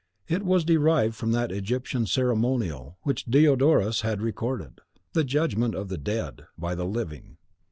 It was derived from that Egyptian ceremonial which Diodorus has recorded, the Judgment of the Dead by the Living (Diod.